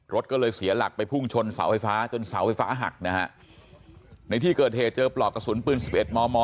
รถก็เลยเสียหลักไปพุ่งชนเสาไฟฟ้าจนเสาไฟฟ้าหักนะฮะในที่เกิดเหตุเจอปลอกกระสุนปืน๑๑มม